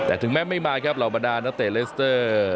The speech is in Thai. แต่ถึงแม้ไม่มาครับเหล่าบรรดานักเตะเลสเตอร์